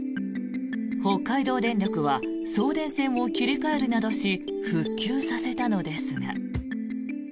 北海道電力は送電線を切り替えるなどし復旧させたのですが。